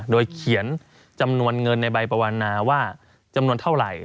โดยเขียนจำนวนเงินในใบปวนาว่าจำนวนเท่าไหร่